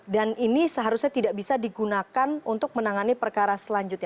dan ini seharusnya tidak bisa digunakan untuk menangani perkara selanjutnya